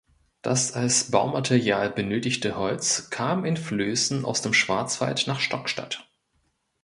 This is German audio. Das als Baumaterial benötigte Holz kam in Flößen aus dem Schwarzwald nach Stockstadt.